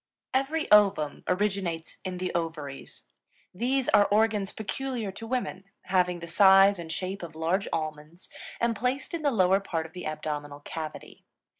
Every ovum originates in the ovaries. These are organs peculiar to women, having the size and shape of large almonds, and placed in the lower part of the abdominal cavity.